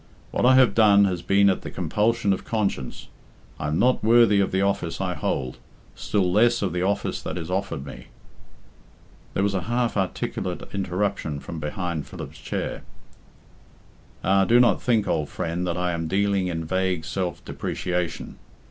What I have done has been at the compulsion of conscience. I am not worthy of the office I hold, still less of the office that is offered me." There was a half articulate interruption from behind Philip's chair. "Ah! do not think, old friend, that I am dealing in vague self depreciation.